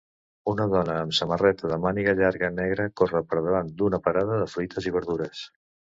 Una dona amb samarreta de màniga llarga negra corre per davant d'una parada de fruites i verdures.